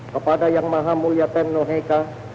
kepada yang maha mulia tengno heka